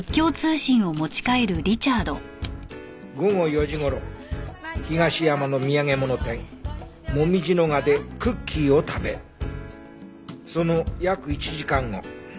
午後４時頃東山の土産物店紅葉賀でクッキーを食べその約１時間後